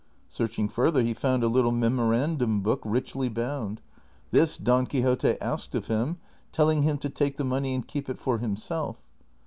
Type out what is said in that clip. " Searching further he found a little memorandum book richly bound; this Don Quixote asked of him, telling him to take the money and keep it for himself.